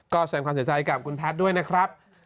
ก็แสดงความเสียใจกับคุณแพทย์ด้วยนะครับ